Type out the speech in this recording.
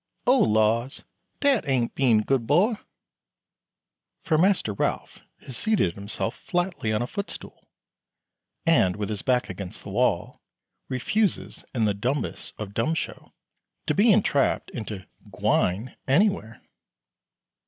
Oh laws! dat ain't bein' good bo'." For Master Ralph has seated himself flatly on a footstool, and with his back against the wall, refuses in the dumbest of dumb show to be entrapped into "gwine" anywhere.